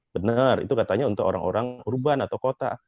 benar itu katanya untuk orang orang urban atau kota